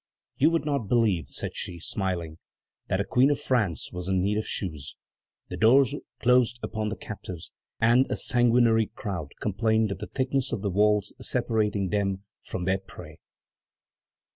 "You would not believe," said she, smiling, "that a Queen of France was in need of shoes." The doors closed upon the captives, and a sanguinary crowd complained of the thickness of the walls separating them from their prey.